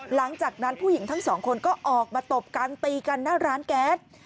หลังจากนั้นผู้หญิงทั้งสองคนก็ออกมาตบกันตีกันหน้าร้านแก๊ส